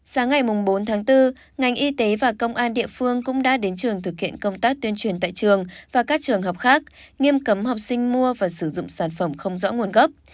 sáng ngày bốn tháng bốn ngành y tế và công an địa phương cũng đã đến trường thực hiện công tác tuyên truyền tại trường và các trường học khác nghiêm cấm học sinh mua và sử dụng sản phẩm không rõ nguồn gốc